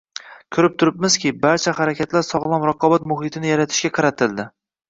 Ko‘rib turibmizki, barcha harakatlar sog‘lom raqobat muhitini yaratishga qaratildi